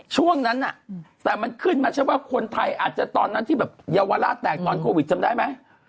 ๑๘๐๐๐๑๙๐๐๐ช่วงนั้นน่ะแต่มันขึ้นมาใช่ไหมว่าคนไทยอาจจะตอนนั้นที่เยาวราชแตกตอนโควิดจำได้ไหม